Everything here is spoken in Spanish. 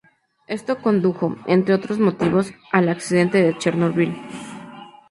Esto condujo, entre otros motivos, al accidente de Chernobyl.